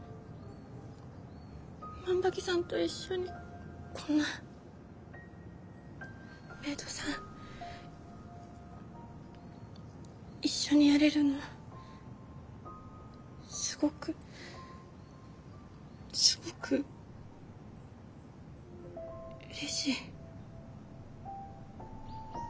万場木さんと一緒にこんなメイドさん一緒にやれるのすごくすごくうれしい。